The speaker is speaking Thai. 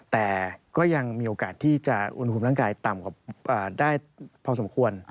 แต่ก็ยังมีโอกาสที่จะอุณหภูมิร่างกายต่ำกว่าได้พอสมควร